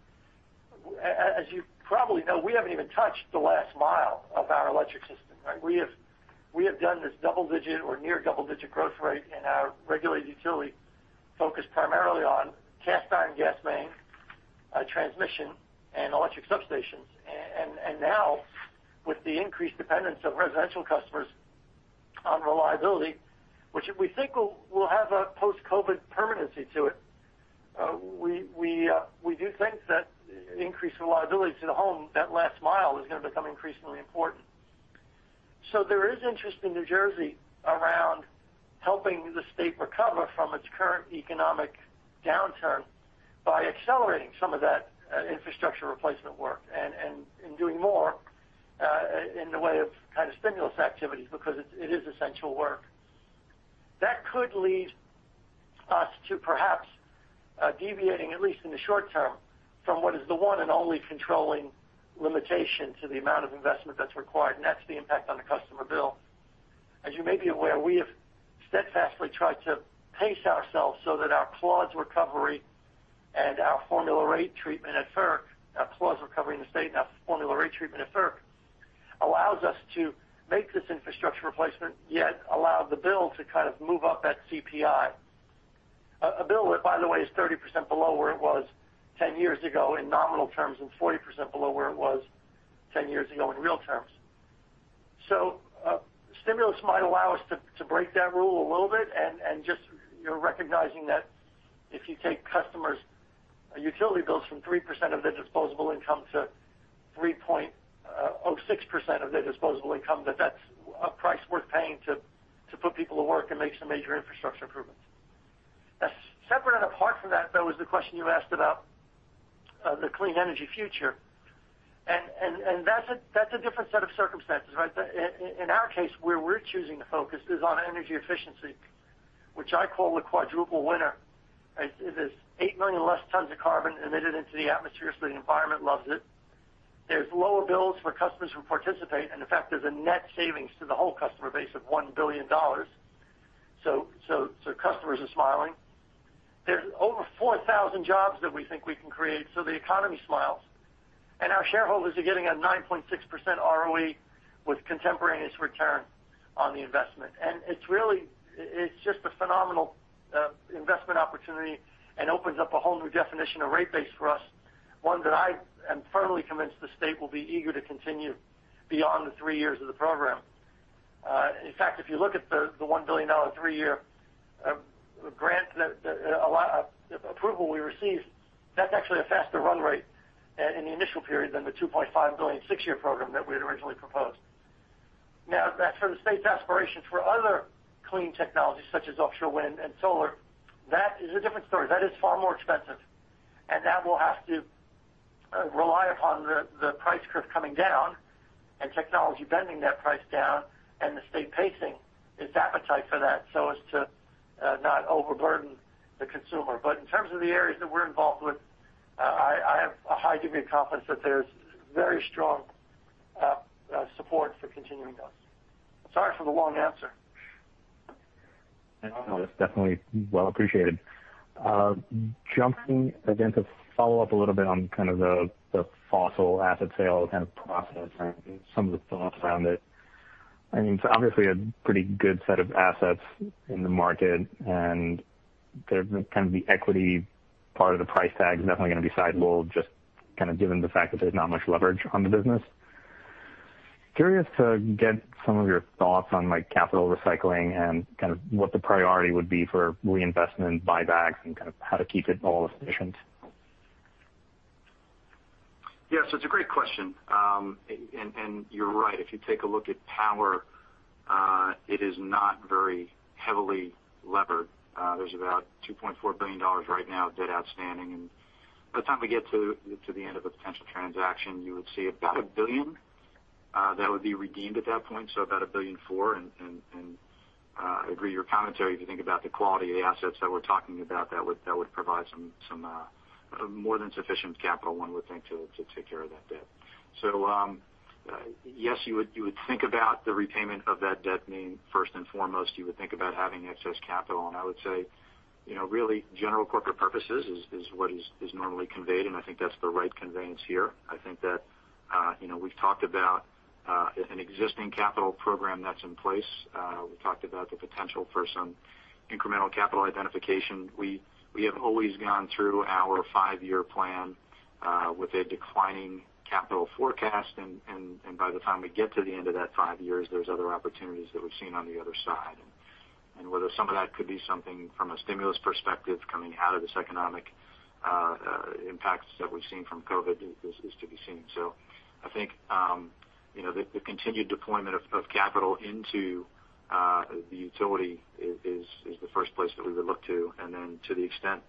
As you probably know, we haven't even touched the last mile of our electric system, right? We have done this double-digit or near double-digit growth rate in our regulated utility focused primarily on cast iron gas main transmission and electric substations. Now with the increased dependence of residential customers on reliability, which we think will have a post-Covid permanency to it, we do think that increased reliability to the home that last mile is going to become increasingly important. There is interest in New Jersey around helping the state recover from its current economic downturn by accelerating some of that infrastructure replacement work and in doing more in the way of kind of stimulus activities because it is essential work. That could lead us to perhaps deviating, at least in the short term, from what is the one and only controlling limitation to the amount of investment that's required. That's the impact on the customer bill. As you may be aware, we have steadfastly tried to pace ourselves so that our clause recovery and our formula rate treatment at FERC, our clause recovery in the state and our formula rate treatment at FERC allows us to make this infrastructure replacement yet allow the bill to kind of move up that CPI. A bill which by the way is 30% below where it was 10 years ago in nominal terms and 40% below where it was 10 years ago in real terms. Stimulus might allow us to break that rule a little bit and just recognizing that if you take utility bills from 3% of their disposable income to 3.06% of their disposable income, that's a price worth paying to put people to work and make some major infrastructure improvements. Separate and apart from that, though, is the question you asked about the Clean Energy Future. That's a different set of circumstances, right? In our case, where we're choosing to focus is on energy efficiency, which I call the quadruple winner. It is 8 million less tons of carbon emitted into the atmosphere, so the environment loves it. There's lower bills for customers who participate, and in fact, there's a net savings to the whole customer base of $1 billion. Customers are smiling. There's over 4,000 jobs that we think we can create, so the economy smiles. Our shareholders are getting a 9.6% ROE with contemporaneous return on the investment. It's just a phenomenal investment opportunity and opens up a whole new definition of rate base for us. One that I am firmly convinced the state will be eager to continue beyond the three years of the program. In fact, if you look at the $1 billion three-year grant approval we received, that's actually a faster run rate in the initial period than the $2.5 billion six-year program that we had originally proposed. For the state's aspirations for other clean technologies such as offshore wind and solar, that is a different story. That is far more expensive, and that will have to rely upon the price curve coming down and technology bending that price down, and the state pacing its appetite for that so as to not overburden the consumer. In terms of the areas that we're involved with, I have a high degree of confidence that there's very strong support for continuing those. Sorry for the long answer. No, it's definitely well appreciated. Jumping again to follow up a little bit on the fossil asset sale process and some of the thoughts around it. Obviously a pretty good set of assets in the market, and the equity part of the price tag is definitely going to be sizable, just given the fact that there's not much leverage on the business. Curious to get some of your thoughts on capital recycling and what the priority would be for reinvestment, buybacks, and how to keep it all efficient. Yeah. It's a great question. You're right, if you take a look at PSEG Power, it is not very heavily levered. There's about $2.4 billion right now of debt outstanding. By the time we get to the end of a potential transaction, you would see about $1 billion that would be redeemed at that point. About $1.4 billion. I agree with your commentary. If you think about the quality of the assets that we're talking about, that would provide some more than sufficient capital, one would think, to take care of that debt. Yes, you would think about the repayment of that debt, meaning first and foremost, you would think about having excess capital. I would say, really general corporate purposes is what is normally conveyed, and I think that's the right conveyance here. I think that we've talked about an existing capital program that's in place. We talked about the potential for some incremental capital identification. We have always gone through our five-year plan with a declining capital forecast. By the time we get to the end of that five years, there's other opportunities that we've seen on the other side. Whether some of that could be something from a stimulus perspective coming out of this economic impacts that we've seen from COVID is to be seen. I think the continued deployment of capital into the utility is the first place that we would look to. To the extent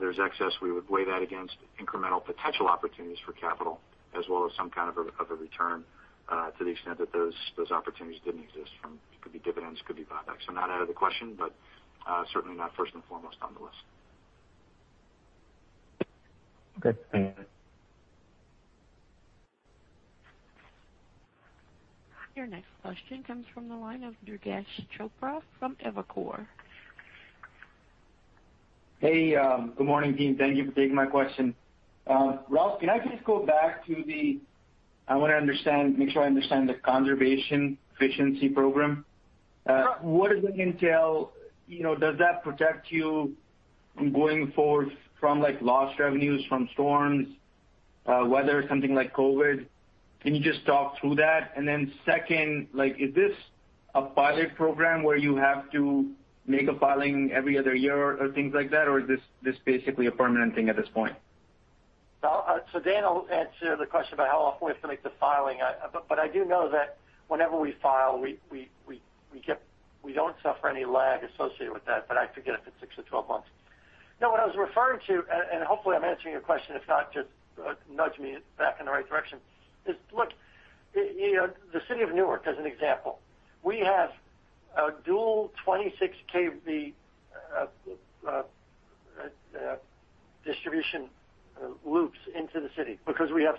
there's excess, we would weigh that against incremental potential opportunities for capital as well as some kind of a return to the extent that those opportunities didn't exist from, could be dividends, could be buybacks. Not out of the question, but certainly not first and foremost on the list. Okay. Thank you. Your next question comes from the line of Durgesh Chopra from Evercore. Hey, good morning, team. Thank you for taking my question. Ralph, can I just go back to I want to make sure I understand the Conservation Incentive Program. Sure. What does that entail? Does that protect you going forward from lost revenues from storms, weather, something like COVID-19? Can you just talk through that? Second, is this a pilot program where you have to make a filing every other year or things like that, or is this basically a permanent thing at this point? Dan will answer the question about how often we have to make the filing. I do know that whenever we file, we don't suffer any lag associated with that. I forget if it's six or 12 months. No, what I was referring to, and hopefully I'm answering your question, if not, just nudge me back in the right direction, is, look, the city of Newark, as an example, we have dual 26KV distribution loops into the city because we have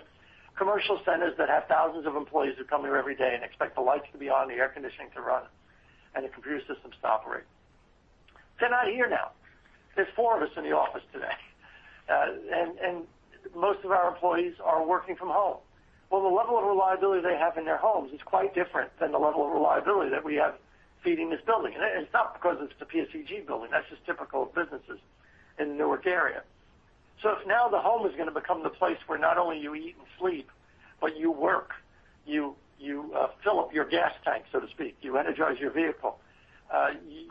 commercial centers that have thousands of employees who come here every day and expect the lights to be on, the air conditioning to run, and the computer systems to operate. They're not here now. There's four of us in the office today. Most of our employees are working from home. Well, the level of reliability they have in their homes is quite different than the level of reliability that we have feeding this building. It's not because it's the PSEG building. That's just typical of businesses in the Newark area. If now the home is going to become the place where not only you eat and sleep, but you work. You fill up your gas tank, so to speak. You energize your vehicle.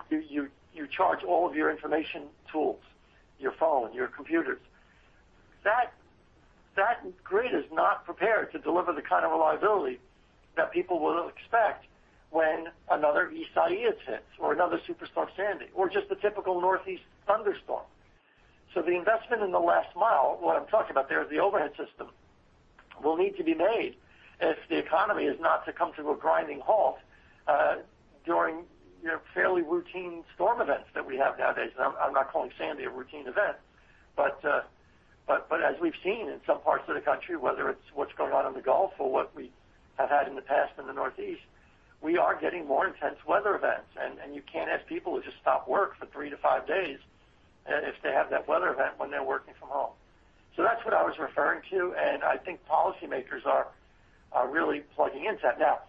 You charge all of your information tools, your phone, your computers. That grid is not prepared to deliver the kind of reliability that people will expect when another Isaias hits or another Superstorm Sandy, or just a typical Northeast thunderstorm. The investment in the last mile, what I'm talking about there is the overhead system, will need to be made if the economy is not to come to a grinding halt during fairly routine storm events that we have nowadays. I'm not calling Sandy a routine event, but as we've seen in some parts of the country, whether it's what's going on in the Gulf or what we have had in the past in the Northeast, we are getting more intense weather events. You can't ask people to just stop work for 3-5 days if they have that weather event when they're working from home. That's what I was referring to, and I think policymakers are really plugging into that.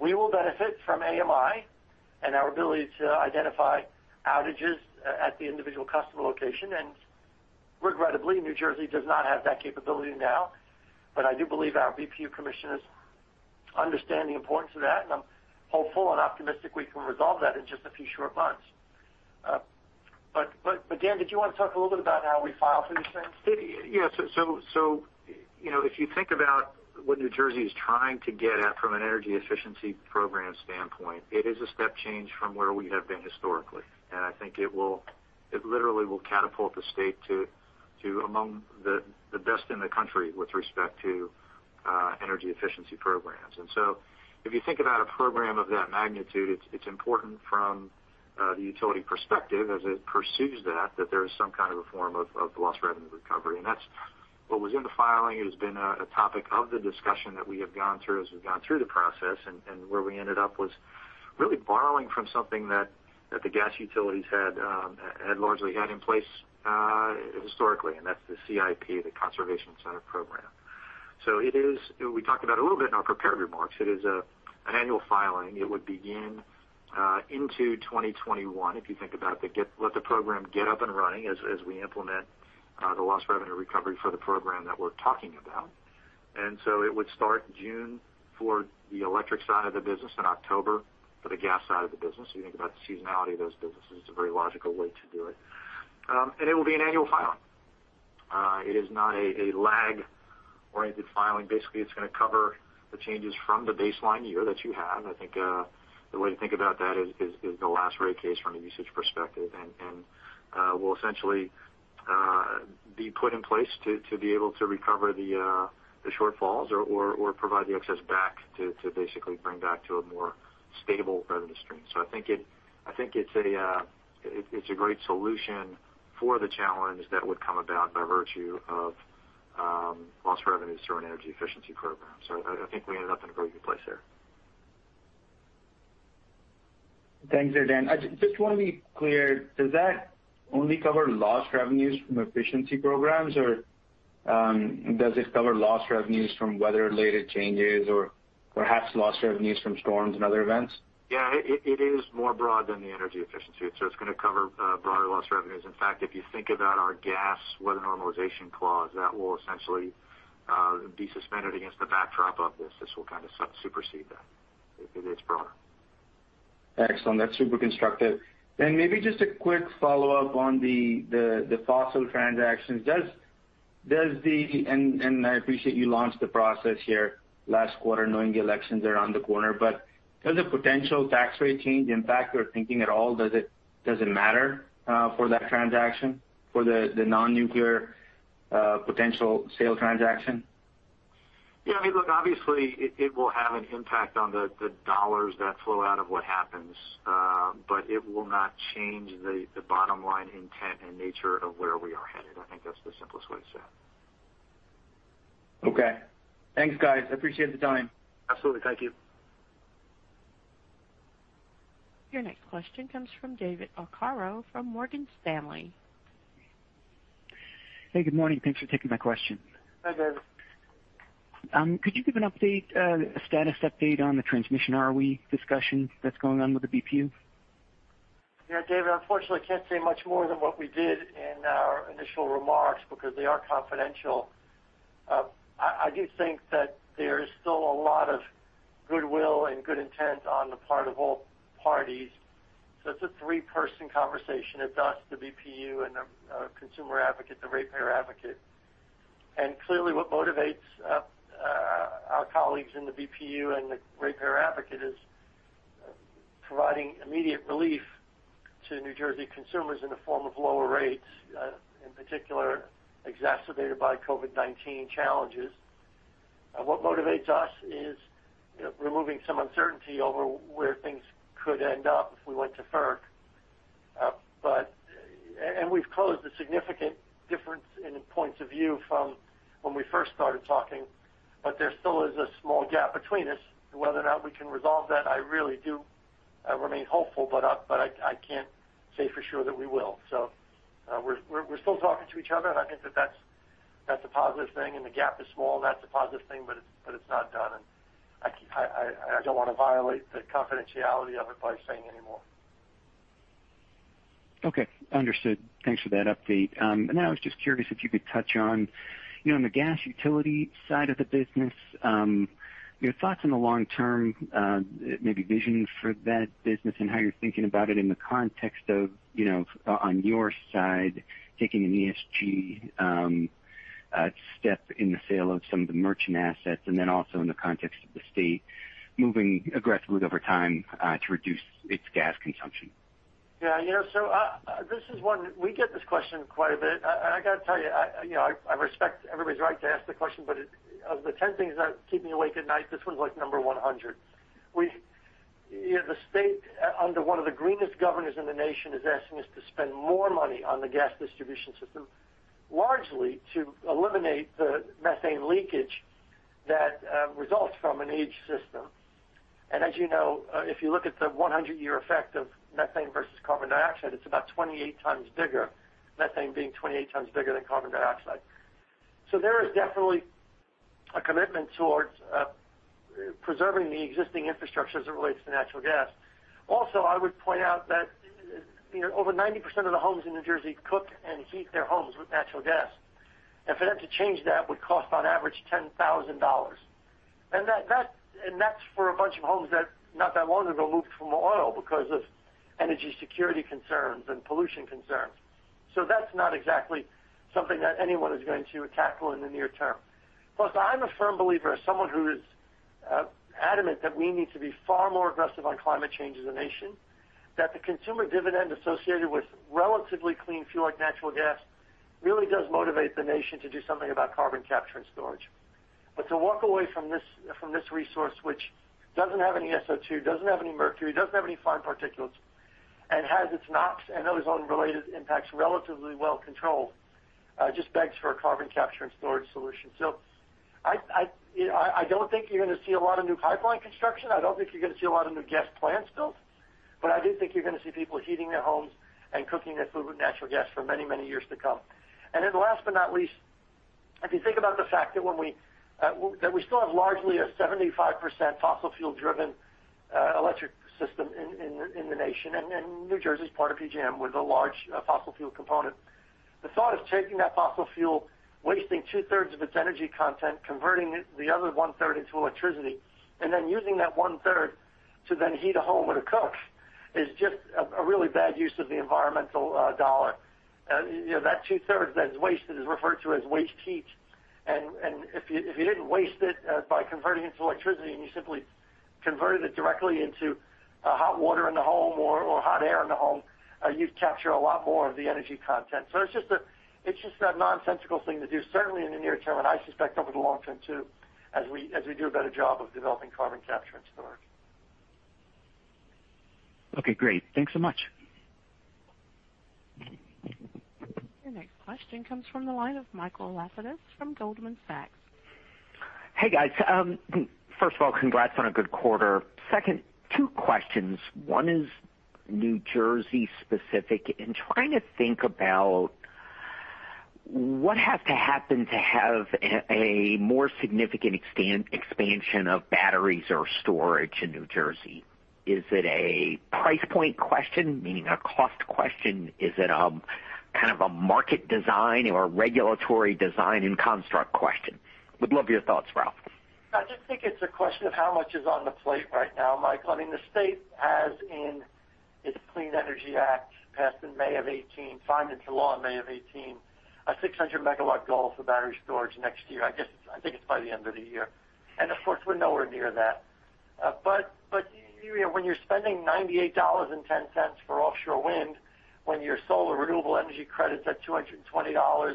We will benefit from AMI and our ability to identify outages at the individual customer location. Regrettably, New Jersey does not have that capability now. I do believe our BPU commissioners understand the importance of that, and I'm hopeful and optimistic we can resolve that in just a few short months. Dan, did you want to talk a little bit about how we file for these things? Yes. If you think about what New Jersey is trying to get at from an energy efficiency program standpoint, it is a step change from where we have been historically. I think it literally will catapult the state to among the best in the country with respect to energy efficiency programs. If you think about a program of that magnitude, it's important from the utility perspective as it pursues that there is some kind of a form of loss revenue recovery. That's what was in the filing. It has been a topic of the discussion that we have gone through as we've gone through the process. Where we ended up was really borrowing from something that the gas utilities had largely had in place historically, and that's the CIP, the Conservation Incentive Program. We talked about it a little bit in our prepared remarks. It is an annual filing. It would begin into 2021. If you think about let the program get up and running as we implement the lost revenue recovery for the program that we are talking about. It would start June for the electric side of the business and October for the gas side of the business. You think about the seasonality of those businesses, it is a very logical way to do it. It will be an annual filing. It is not a lag-oriented filing. Basically, it is going to cover the changes from the baseline year that you had. I think the way to think about that is the last rate case from a usage perspective, will essentially be put in place to be able to recover the shortfalls or provide the excess back to basically bring back to a more stable revenue stream. I think it's a great solution for the challenge that would come about by virtue of lost revenues through an energy efficiency program. I think we ended up in a very good place there. Thanks there, Dan. I just want to be clear, does that only cover lost revenues from efficiency programs, or does it cover lost revenues from weather-related changes or perhaps lost revenues from storms and other events? It is more broad than the energy efficiency. It's going to cover broader loss revenues. In fact, if you think about our gas weather normalization clause, that will essentially be suspended against the backdrop of this. This will kind of supersede that. It is broader. Excellent. That's super constructive. Maybe just a quick follow-up on the fossil transactions. I appreciate you launched the process here last quarter knowing the elections are around the corner. Does a potential tax rate change impact your thinking at all? Does it matter for that transaction, for the non-nuclear potential sale transaction? Yeah. Look, obviously, it will have an impact on the dollars that flow out of what happens. It will not change the bottom line intent and nature of where we are headed. I think that's the simplest way to say it. Okay. Thanks, guys. I appreciate the time. Absolutely. Thank you. Your next question comes from David Arcaro from Morgan Stanley. Hey, good morning. Thanks for taking my question. Hi, David. Could you give an update, a status update on the transmission ROE discussion that's going on with the BPU? David. Unfortunately, I can't say much more than what we did in our initial remarks because they are confidential. I do think that there is still a lot of goodwill and good intent on the part of all parties. It's a three-person conversation. It's us, the BPU, and the consumer advocate, the ratepayer advocate. Clearly what motivates our colleagues in the BPU and the ratepayer advocate is providing immediate relief to New Jersey consumers in the form of lower rates, in particular exacerbated by COVID-19 challenges. What motivates us is removing some uncertainty over where things could end up if we went to FERC. We've closed a significant difference in points of view from when we first started talking. There still is a small gap between us. Whether or not we can resolve that, I really do remain hopeful, but I can't say for sure that we will. We're still talking to each other, and I think that that's a positive thing. The gap is small, and that's a positive thing, but it's not done. I don't want to violate the confidentiality of it by saying any more. Okay. Understood. Thanks for that update. I was just curious if you could touch on, in the gas utility side of the business, your thoughts in the long term, maybe vision for that business and how you're thinking about it in the context of on your side, taking an ESG step in the sale of some of the merchant assets, and then also in the context of the state moving aggressively over time, to reduce its gas consumption. Yeah. This is one, we get this question quite a bit. I got to tell you, I respect everybody's right to ask the question, but of the 10 things that keep me awake at night, this one's like number 100. The state, under one of the greenest governors in the nation, is asking us to spend more money on the gas distribution system, largely to eliminate the methane leakage that results from an aged system. As you know, if you look at the 100-year effect of methane versus carbon dioxide, it's about 28x bigger. Methane being 28x bigger than carbon dioxide. There is definitely a commitment towards preserving the existing infrastructure as it relates to natural gas. Also, I would point out that over 90% of the homes in New Jersey cook and heat their homes with natural gas. For them to change that would cost on average $10,000. That's for a bunch of homes that not that long ago moved from oil because of energy security concerns and pollution concerns. That's not exactly something that anyone is going to tackle in the near term. Plus, I'm a firm believer, as someone who is adamant that we need to be far more aggressive on climate change as a nation, that the consumer dividend associated with relatively clean fuel like natural gas really does motivate the nation to do something about carbon capture and storage. To walk away from this resource, which doesn't have any SO2, doesn't have any mercury, doesn't have any fine particulates, and has its NOx and ozone-related impacts relatively well-controlled, just begs for a carbon capture and storage solution. I don't think you're going to see a lot of new pipeline construction. I don't think you're going to see a lot of new gas plants built, but I do think you're going to see people heating their homes and cooking their food with natural gas for many years to come. Last but not least, if you think about the fact that we still have largely a 75% fossil fuel-driven electric system in the nation, and New Jersey's part of PJM with a large fossil fuel component. The thought of taking that fossil fuel, wasting two-thirds of its energy content, converting the other one-third into electricity, and then using that one-third to then heat a home and to cook, is just a really bad use of the environmental dollar. That two-thirds that is wasted is referred to as waste heat. If you didn't waste it by converting it to electricity and you simply converted it directly into hot water in the home or hot air in the home, you'd capture a lot more of the energy content. It's just that nonsensical thing to do, certainly in the near term, and I suspect over the long term too, as we do a better job of developing carbon capture and storage. Okay, great. Thanks so much. Your next question comes from the line of Michael Lapides from Goldman Sachs. Hey, guys. First of all, congrats on a good quarter. Two questions. One is New Jersey specific. In trying to think about what has to happen to have a more significant expansion of batteries or storage in New Jersey. Is it a price point question, meaning a cost question? Is it a market design or regulatory design and construct question? Would love your thoughts, Ralph. I just think it's a question of how much is on the plate right now, Mike. I mean, the state has in its Clean Energy Act, passed in May of 2018, signed into law in May of 2018, a 600 MW goal for battery storage next year. I think it's by the end of the year. Of course, we're nowhere near that. When you're spending $98.10 for offshore wind, when your solar renewable energy credit's at $220,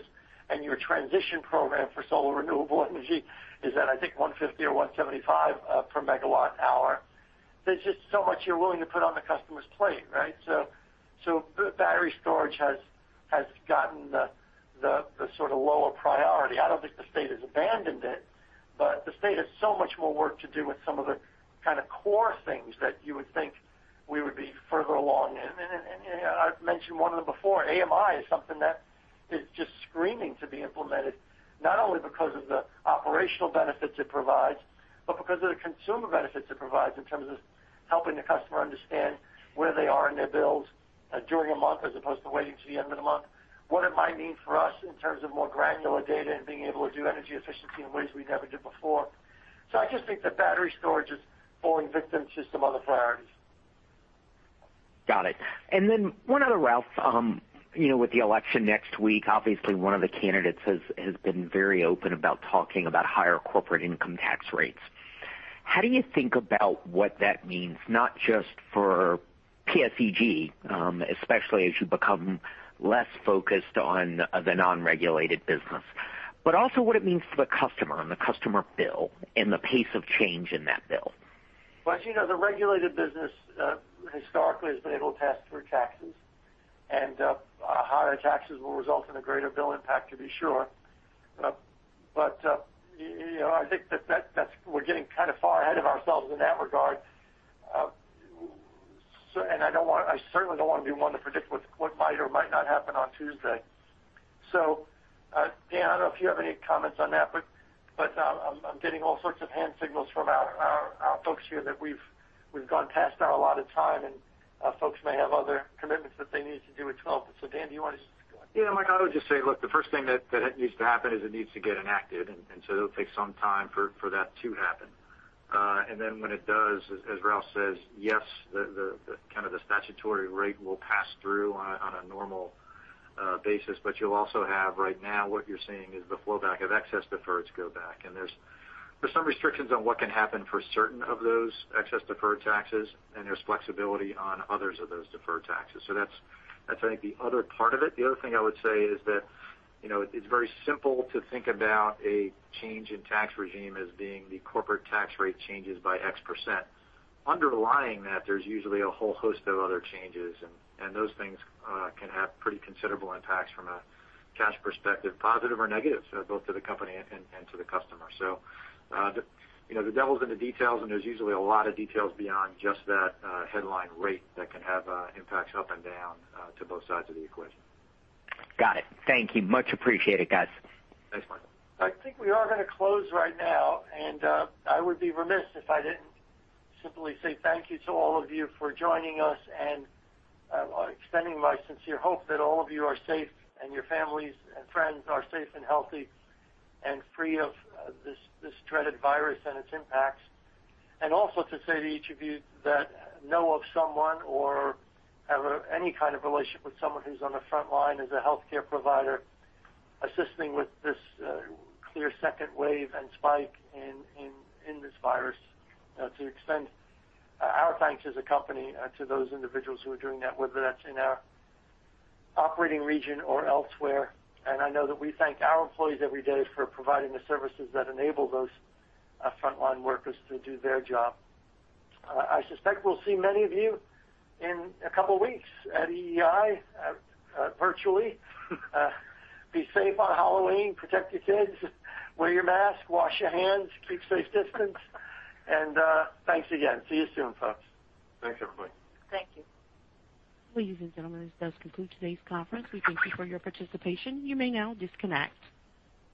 and your transition program for solar renewable energy is at, I think, 150 or 175 per MWh, there's just so much you're willing to put on the customer's plate, right? Battery storage has gotten the sort of lower priority. I don't think the state has abandoned it, but the state has so much more work to do with some of the core things that you would think we would be further along in. I've mentioned one of them before, AMI is something that is just screaming to be implemented, not only because of the operational benefits it provides, but because of the consumer benefits it provides in terms of helping the customer understand where they are in their bills during a month, as opposed to waiting to the end of the month. What it might mean for us in terms of more granular data and being able to do energy efficiency in ways we never did before. I just think that battery storage is falling victim to some other priorities. Got it. One other, Ralph, with the election next week, obviously one of the candidates has been very open about talking about higher corporate income tax rates. How do you think about what that means, not just for PSEG, especially as you become less focused on the non-regulated business, but also what it means for the customer and the customer bill and the pace of change in that bill? Well, as you know, the regulated business, historically, has been able to pass through taxes. Higher taxes will result in a greater bill impact, to be sure. I think that we're getting kind of far ahead of ourselves in that regard. I certainly don't want to be one to predict what might or might not happen on Tuesday. If you have any comments on that. I'm getting all sorts of hand signals from our folks here that we've gone past our allotted time. Folks may have other commitments that they need to do as well. Dan, do you want to go ahead? Yeah, Mike, I would just say, look, the first thing that needs to happen is it needs to get enacted, it'll take some time for that to happen. When it does, as Ralph says, yes, the statutory rate will pass through on a normal basis. You'll also have right now what you're seeing is the flow back of excess deferreds go back. There's some restrictions on what can happen for certain of those excess deferred taxes, and there's flexibility on others of those deferred taxes. That's I think the other part of it. The other thing I would say is that it's very simple to think about a change in tax regime as being the corporate tax rate changes by X%. Underlying that, there's usually a whole host of other changes, and those things can have pretty considerable impacts from a cash perspective, positive or negative, so both to the company and to the customer. The devil's in the details, and there's usually a lot of details beyond just that headline rate that can have impacts up and down to both sides of the equation. Got it. Thank you. Much appreciated, guys. Thanks, Michael. I think we are going to close right now. I would be remiss if I didn't simply say thank you to all of you for joining us and extending my sincere hope that all of you are safe, and your families and friends are safe and healthy and free of this dreaded virus and its impacts. Also to say to each of you that know of someone or have any kind of relationship with someone who's on the front line as a healthcare provider assisting with this clear second wave and spike in this virus, to extend our thanks as a company to those individuals who are doing that, whether that's in our operating region or elsewhere. I know that we thank our employees every day for providing the services that enable those frontline workers to do their job. I suspect we'll see many of you in a couple of weeks at EEI virtually. Be safe on Halloween. Protect your kids. Wear your mask, wash your hands, keep space distance, and thanks again. See you soon, folks. Thanks, everybody. Thank you. Ladies and gentlemen, this does conclude today's conference. We thank you for your participation. You may now disconnect.